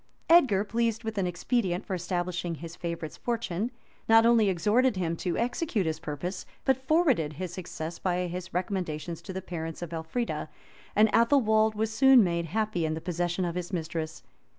Edgar, pleased with an expedient for establishing his favorite's fortune, not only exhorted him to execute his purpose but forwarded his success by his recommendations to the parents of Elfrida; and Athelwold was soon made happy in the possession of his mistress.